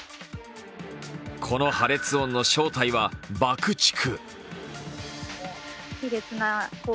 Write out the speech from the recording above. この破裂音の正体は爆竹。